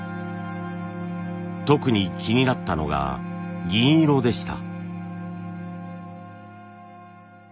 特に気になったのが銀色でした。